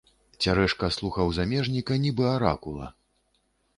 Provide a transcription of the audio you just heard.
Цярэшка слухаў замежніка, нібы аракула.